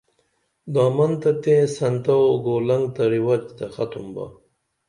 دامن تہ تئیں سنتہ او گولنگ تہ رِوَج تہ ختُم با